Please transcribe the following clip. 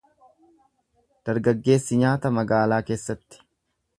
Dargaggeessi nyaata magaalaa keessatti.